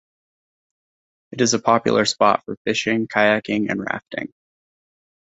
It is a popular spot for fishing, kayaking, and rafting.